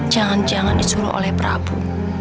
jangan jangan disuruh oleh prabu